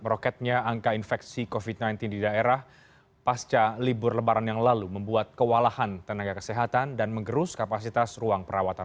meroketnya angka infeksi covid sembilan belas di daerah pasca libur lebaran yang lalu membuat kewalahan tenaga kesehatan dan mengerus kapasitas ruang perawatan